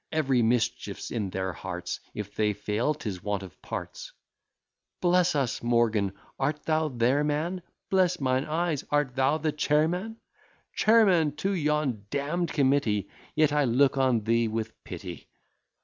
Every mischief's in their hearts; If they fail, 'tis want of parts. Bless us! Morgan, art thou there, man? Bless mine eyes! art thou the chairman? Chairman to yon damn'd committee! Yet I look on thee with pity.